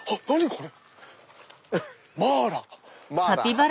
これ。